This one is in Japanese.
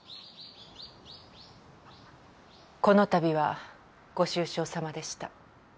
このたびはご愁傷さまでした